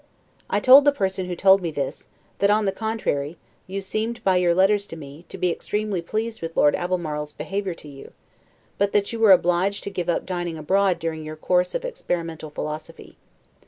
I told the person who told me this, that, on the contrary, you seemed, by your letters to me, to be extremely pleased with Lord Albemarle's behavior to you: but that you were obliged to give up dining abroad during your course of experimental philosophy.